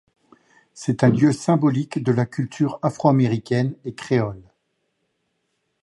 C'est un lieu symbolique de la culture afro-américaine et créole.